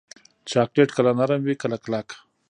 چاکلېټ کله نرم وي، کله کلک.